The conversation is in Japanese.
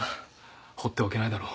ほってはおけないだろ。